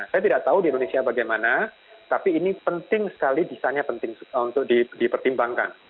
saya tidak tahu di indonesia bagaimana tapi ini penting sekali desainnya penting untuk dipertimbangkan